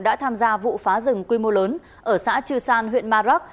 đã tham gia vụ phá rừng quy mô lớn ở xã trư san huyện ma rắc